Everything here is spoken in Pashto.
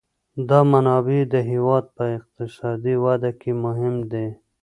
دا منابع د هېواد په اقتصادي وده کي مهم دي.